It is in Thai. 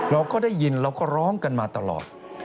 เราก็ได้ยินเราก็ร้องกันมาตลอด